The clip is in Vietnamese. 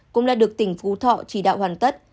cũng đã được tỉnh phú thọ chỉ đạo hoàn tất